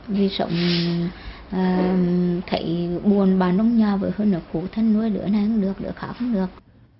vì rộng thầy buồn bà nông nhà vừa hơn là cụ thân nuôi đứa này không được đứa khác không được